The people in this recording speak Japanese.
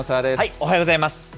おはようございます。